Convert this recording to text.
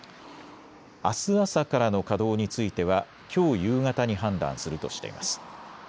あす朝からの稼働についてはきょう夕方に判断するとしています。